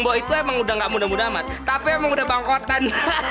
bu itu emang udah gak muda muda amat tapi emang udah bangkot kan